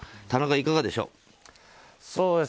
田中、いかがでしょう？